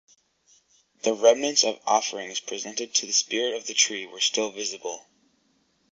The remnants of offerings presented to the spirit of the tree were still visible.